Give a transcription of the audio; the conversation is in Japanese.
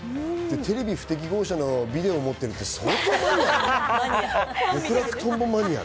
『テレビ不適合者』のビデオ持ってるって相当マニアック。